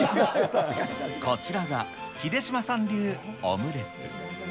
こちらが、秀島さん流オムレツ。